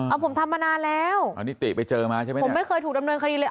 เอาผมทำมานานแล้วอันนี้ติไปเจอมาใช่ไหมผมไม่เคยถูกดำเนินคดีเลย